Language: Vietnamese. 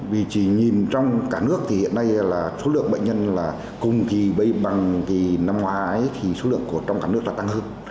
vì chỉ nhìn trong cả nước thì hiện nay là số lượng bệnh nhân là cùng thì bây bằng thì năm ngoái thì số lượng trong cả nước là tăng hơn